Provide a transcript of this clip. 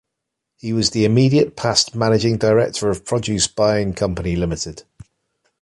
He was the immediate past managing director of Produce Buying Company Limited.